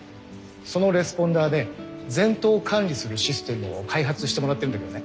そのレスポンダーで全頭管理するシステムを開発してもらってるんだけどね。